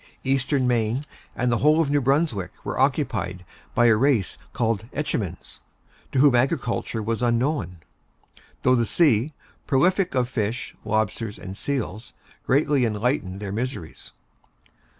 Eastern Maine and the whole of New Brunswick were occupied by a race called Etchemins, to whom agriculture was unknown, though the sea, prolific of fish, lobsters, and seals, greatly lightened their miseries.